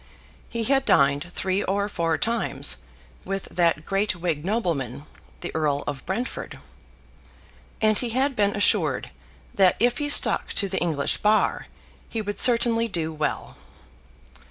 He had dined three or four times with that great Whig nobleman, the Earl of Brentford. And he had been assured that if he stuck to the English Bar he would certainly do well.